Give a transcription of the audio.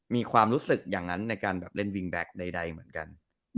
มีความรู้สึกอย่างนั้นในการแบบเล่นวิงแบ็คใดเหมือนกัน